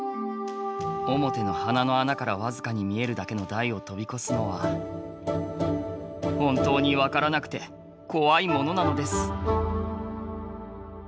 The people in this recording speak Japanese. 面の鼻の穴からわずかに見えるだけの台を飛び越すのは本当にわからなくて恐いものなのです